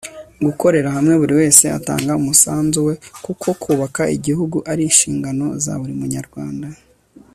gukorera hamwe buri wese atanga umusanzu we kuko kubaka igihugu ari inshingano zaburi munyarwanda